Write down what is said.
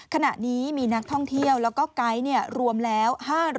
ขณะนี้มีนักท่องเที่ยวแล้วก็ไก๊รวมแล้ว